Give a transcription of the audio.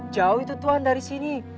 jauh itu tuhan dari sini